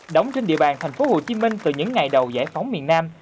đóng trên địa bàn tp hcm từ những ngày đầu giải phóng miền nam